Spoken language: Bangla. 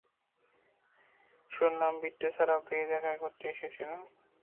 শুনলাম বিট্টু ছাড়া পেয়ে দেখা করতে এসেছিলো।